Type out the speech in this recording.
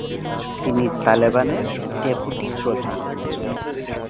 তিনি তালেবানের ডেপুটি প্রধান।